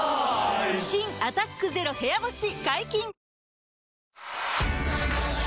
新「アタックＺＥＲＯ部屋干し」解禁‼